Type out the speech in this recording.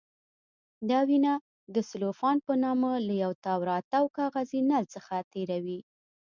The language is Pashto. دا وینه د سلوفان په نامه له یو تاوراتاو کاغذي نل څخه تېروي.